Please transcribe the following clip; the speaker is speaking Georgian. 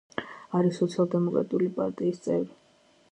არის სოციალ-დემოკრატიული პარტიის წევრი.